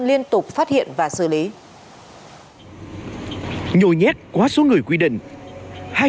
liên tục phát hiện và xử lý